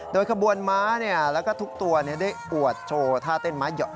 โดยขบวนม้าแล้วก็ทุกตัวได้อวดโชว์ท่าเต้นม้าหอก